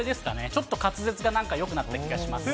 ちょっと滑舌がなんかよくなってきた気がします。